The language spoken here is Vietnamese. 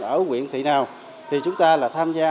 ở quyện thị nào thì chúng ta là tham gia